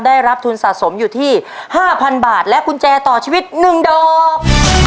ได้รับทุนสะสมอยู่ที่๕๐๐บาทและกุญแจต่อชีวิต๑ดอก